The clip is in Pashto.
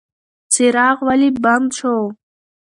څراغ ولې بند شو؟